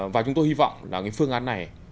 và chúng tôi hy vọng là cái phương án này